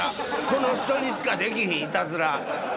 この人にしかできひんいたずら。